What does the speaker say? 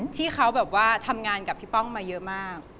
ที่เขาแบบว่าทำงานกับพี่ป้องมาเยอะมาก